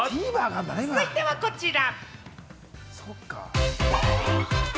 続いては、こちら。